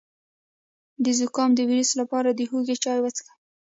د زکام د ویروس لپاره د هوږې چای وڅښئ